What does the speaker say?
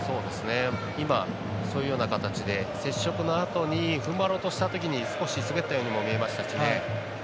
今、そういうような形で接触のあとに踏ん張ろうとしたとき少し滑ったようにも見えましたしね。